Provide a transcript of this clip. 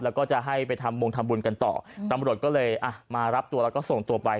แล้วก็จะให้ไปทำบงทำบุญกันต่อตำรวจก็เลยอ่ะมารับตัวแล้วก็ส่งตัวไป